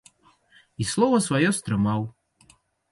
І слова сваё стрымаў.